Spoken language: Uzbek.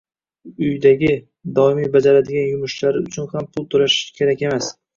Uydagi doimiy bajaradigan yumushlari uchun ham pul to‘lash kerak emas: